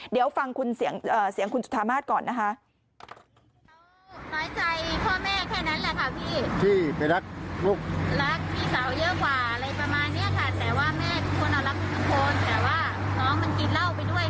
เดี๋ยวฟังคุณเสียงคุณจุธามาศก่อนนะคะ